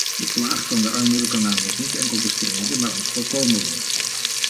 De plaag van de armoede kan namelijk niet enkel bestreden maar ook voorkomen worden.